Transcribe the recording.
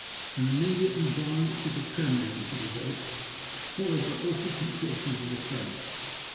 An immediate and violent fit of trembling was the result, followed by awful contortions of the face.